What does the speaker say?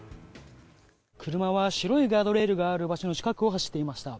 車は白いガードレールがある場所の近くを走っていました。